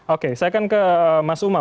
oke saya akan ke mas umam